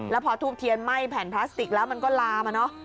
แล้วพอทูบเทียนไหม้แผ่นพลาสติกแล้วมันก็ลามาเนอะ